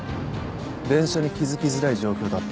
電車に気付きづらい状況だった。